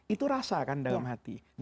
itu rasa kan dalam hati